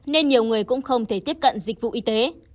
nên nhiều người cũng không thể tiếp cận dịch vụ y tế